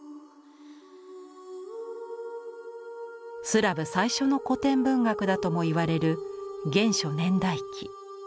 スラブ最初の古典文学だとも言われる「原初年代記」。